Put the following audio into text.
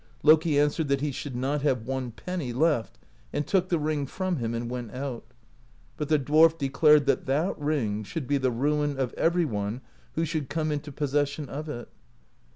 Loki an swered that he should not have one penny left, and took the ring from him and went out; but the dwarf declared that that ring should be the ruin of every one who should come into possession of it.